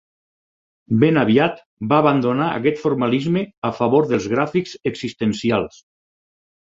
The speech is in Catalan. Ben aviat va abandonar aquest formalisme a favor dels gràfics existencials.